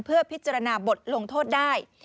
เพื่อพิจารณาบทลงโทษได้